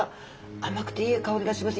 甘くていい香りがします。